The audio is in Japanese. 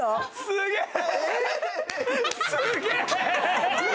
すげえ！